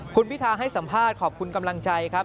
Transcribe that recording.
คุณพิธาให้สัมภาษณ์ขอบคุณกำลังใจครับ